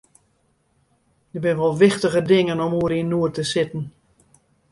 Der binne wol wichtiger dingen om oer yn noed te sitten.